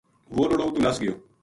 وہ لڑو اُتو نَس گیو